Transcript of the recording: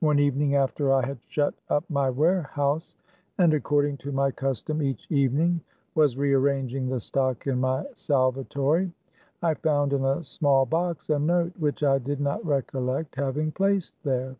One evening after I 134 THE CAB AVAN. had shut up my warehouse, and according to my custom each evening, was rearranging the stock in my salvatory, I found in a small box a note which I did not recollect having placed there.